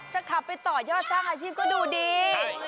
ขับไปต่อยอดสร้างอาชีพก็ดูดี